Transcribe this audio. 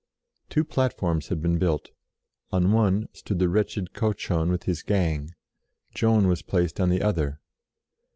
Two plat forms had been built; on one stood the wretched Cauchon with his gang; Joan was placed on the other.